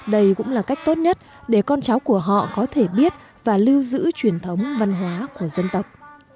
đây cũng là cách tốt nhất để con cháu của họ có thể biết và lưu giữ truyền thống văn hóa của dân tộc